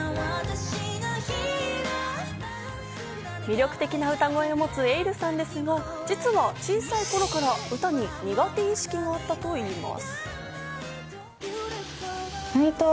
魅力的な歌声を持つｅｉｌｌさんですが、実は小さい頃から歌に苦手意識があったといいます。